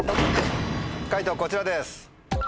解答こちらです。